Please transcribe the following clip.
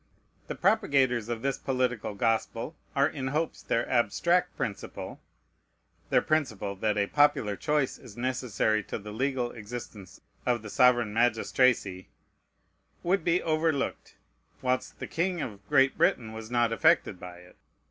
The propagators of this political gospel are in hopes their abstract principle (their principle that a popular choice is necessary to the legal existence of the sovereign magistracy) would be overlooked, whilst the king of Great Britain was not affected by it.